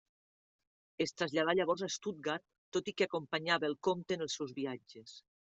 Es traslladà llavors a Stuttgart, tot i que acompanyava el comte en els seus viatges.